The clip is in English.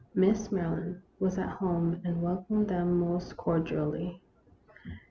Miss Maryland was at home and welcomed them most cordially.